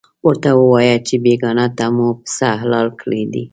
ورته ووایه چې بېګاه ته مو پسه حلال کړی دی.